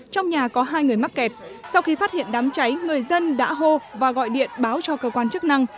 trong nhà có hai người mắc kẹt sau khi phát hiện đám cháy người dân đã hô và gọi điện báo cho cơ quan chức năng